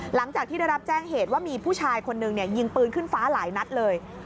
หลังจากที่ได้รับแจ้งเหตุว่ามีผู้ชายคนนึงยิงปืนขึ้นฟ้าหลายนัดเลย